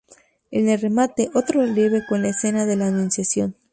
En el remate, otro relieve con la escena de la Anunciación.